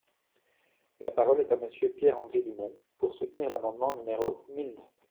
La parole est à Monsieur Pierre-Henri Dumont, pour soutenir l’amendement numéro mille neuf.